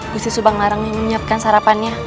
gusti subanglarang yang menyiapkan sarapannya